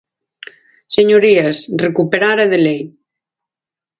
Señorías, recuperar é de lei.